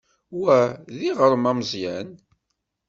Wa d iɣrem ameẓyan.